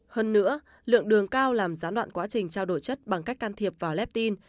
hơn nữa lượng đường cao làm gián đoạn quá trình trao đổi chất bằng cách can thiệp vào lepin